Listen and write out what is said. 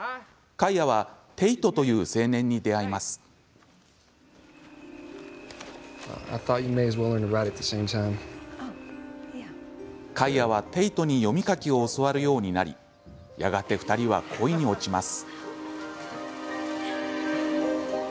カイアはテイトに読み書きを教わるようになりやがて２人は恋に落ちます。